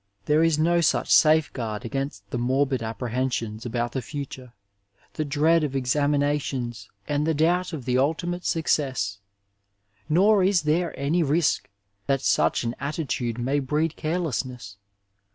There is no such safeguard against the morbid apprehensions about the future, the dread of ex aminations and the doubt of the ultimate success. Nor is tiiere any risk that suoh an attitude may breed careless ness.